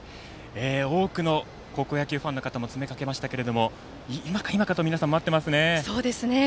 多くの高校野球ファンの方も詰め掛けましたが今か今かと皆さん待っていますね。